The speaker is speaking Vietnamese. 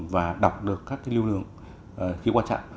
và đọc được các cái lưu lượng khi qua chặng